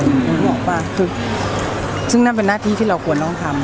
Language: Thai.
คุณรู้หรือเปล่าซึ่งนั่นเป็นหน้าที่ที่เราควรต้องทำ